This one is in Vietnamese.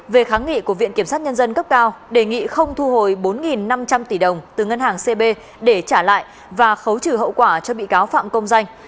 về kháng nghị của viện kiểm sát nhân dân cấp cao đề nghị không thu hồi bốn năm trăm linh tỷ đồng từ ngân hàng cb để trả lại và khấu trừ hậu quả cho bị cáo phạm công danh